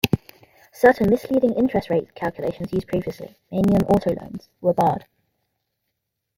Certain misleading interest rate calculations used previously, mainly on auto loans, were barred.